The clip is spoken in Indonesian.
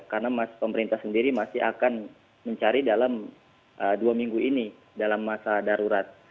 karena pemerintah sendiri masih akan mencari dalam dua minggu ini dalam masa darurat